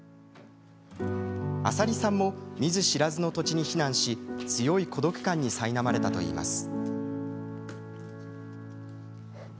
麻里さんも見ず知らずの土地に避難し強い孤独感にさいなまれたといいます。